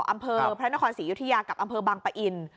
อำเภอพระนครศรียุธยากับอำเภอบังปะอิน